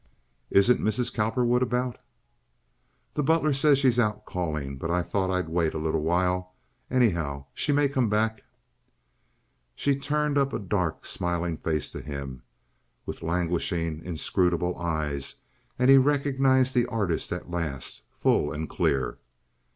"Isn't Mrs. Cowperwood about?" "The butler says she's out calling, but I thought I'd wait a little while, anyhow. She may come back." She turned up a dark, smiling face to him, with languishing, inscrutable eyes, and he recognized the artist at last, full and clear.